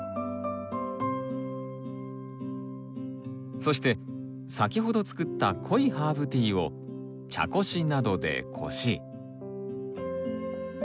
そして先ほど作った濃いハーブティーを茶こしなどでこし。